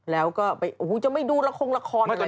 แล้วก็ไปโอ้โหจะไม่ดูละครงละครอะไรไปนู่ง